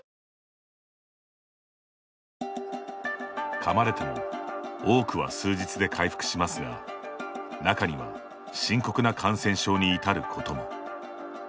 かまれても多くは数日で回復しますが中には深刻な感染症に至ることも。